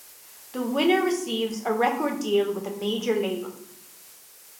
The winner receives a record deal with a major label.